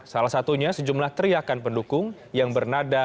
salah satunya sejumlah teriakan pendukung yang bernada